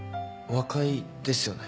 和解ですよね。